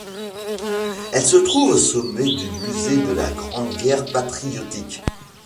Elle se trouve au sommet du Musée de la Grande Guerre patriotique.